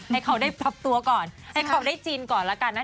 ให้เขาได้ปรับตัวก่อนให้เขาได้จีนก่อนแล้วกันนะ